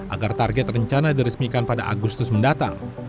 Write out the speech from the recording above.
agar target rencana diresmikan pada agustus mendatang